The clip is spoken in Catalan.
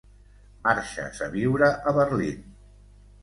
Marxes a viure a Berlín.